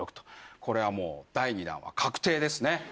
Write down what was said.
これはもう第２弾は確定ですね。